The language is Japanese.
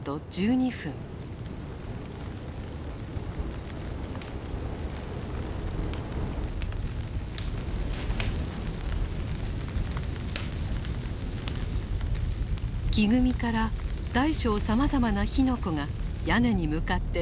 木組みから大小さまざまな火の粉が屋根に向かって舞い始めた。